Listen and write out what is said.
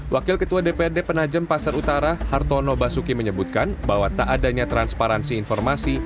wakil ketua dprd penajem pasar utara hartono basuki menyebutkan bahwa tak adanya transparansi informasi